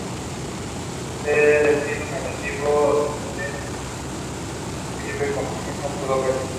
El estilo narrativo es personal, y describe lo que Girolamo pudo ver.